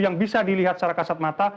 yang bisa dilihat secara kasat mata